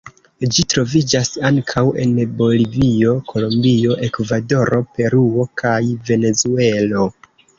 Ĝi troviĝas ankaŭ en Bolivio, Kolombio, Ekvadoro, Peruo kaj Venezuelo.